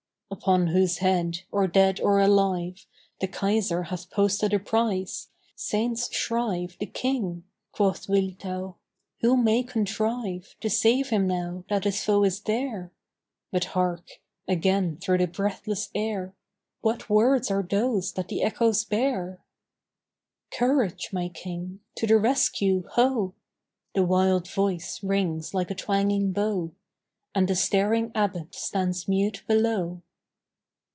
"Upon whose head, or dead or alive, The Kaiser hath posted a price. Saints shrive The King!" quoth Wiltau. "Who may contrive "To save him now that his foe is there?" But, hark! again through the breathless air What words are those that the echoes bear? "Courage, my King! To the rescue, ho!" The wild voice rings like a twanging bow, And the staring Abbot stands mute below.